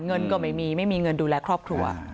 เงินก็ไม่มีไม่มีเงินดูแลครอบครัว